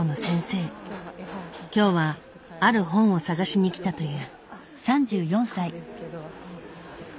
今日はある本を探しにきたという。